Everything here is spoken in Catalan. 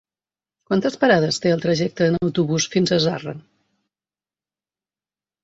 Quantes parades té el trajecte en autobús fins a Zarra?